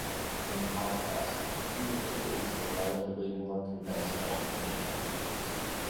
In contrast, "clean" vocals are relatively more conventional singing techniques.